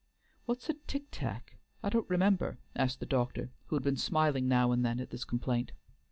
"What's a tick tack? I don't remember," asked the doctor, who had been smiling now and then at this complaint.